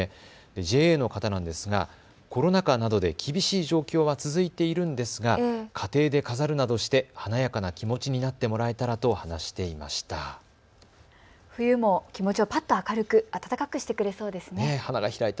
ＪＡの方なんですがコロナ禍などで厳しい状況は続いているんですが家庭で飾るなどして華やかな気持ちになってもらえたらと話していました。